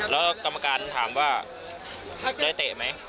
แล้วกรรมการถามว่าได้เตะไหม